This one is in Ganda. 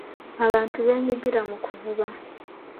Abantu beenyigira mu kuvuba.